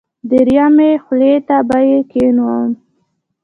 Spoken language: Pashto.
دریمې خولې ته به یې کېنوم.